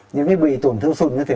những cái bị tổn thương sụn như thế